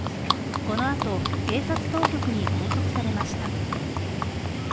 この後、警察当局に拘束されました。